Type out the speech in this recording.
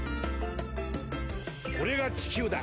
これが地球だ。